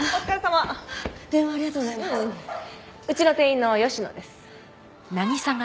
うちの店員の吉野です。